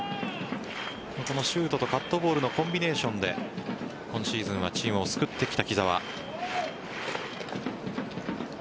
ここもシュートとカットボールのコンビネーションで今シーズンはチームを救ってきた木澤。